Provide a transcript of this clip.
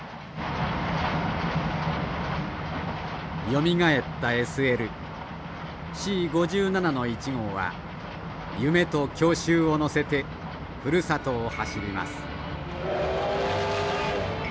よみがえったＳＬＣ５７の１号は夢と郷愁を乗せてふるさとを走ります。